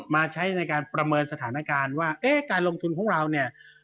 ใช้ในการประเมินสถานการณ์ว่าเอ๊ะการลงทุนของเราเนี่ย